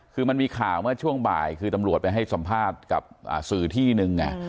คือมันมีข่าวเมื่อช่วงบ่ายคือตำรวจไปให้สัมภาษณ์กับสื่อที่นึง